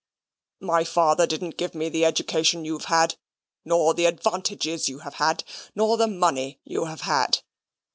"My father didn't give me the education you have had, nor the advantages you have had, nor the money you have had.